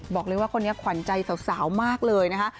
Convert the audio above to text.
บอกเลยว่าคนนี้ขวัญใจสาวมากเลยนะคะ